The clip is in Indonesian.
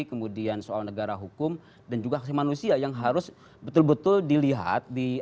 kemudian soal negara hukum dan juga aksi manusia yang harus betul betul dilihat